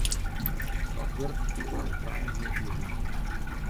Dat wurk haw ik trije en in heal jier dien.